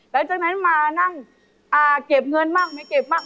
หลังจากนั้นมานั่งเก็บเงินบ้างไม่เก็บบ้าง